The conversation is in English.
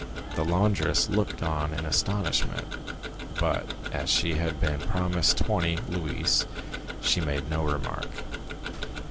The laundress looked on in astonishment, but as she had been promised twenty louis, she made no remark.